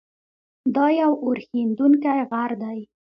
دا یو اورښیندونکی غر دی.